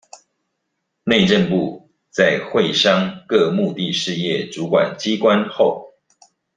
內政部在會商各目的事業主管機關後